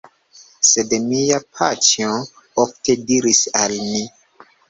Sed mia paĉjo ofte diris al ni: